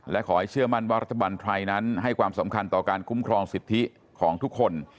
และขอให้เชื่อมั่นว่ารัฐบาลไทยนั้นให้ความสำคัญต่อการคุ้มครองสิทธิของทุกคน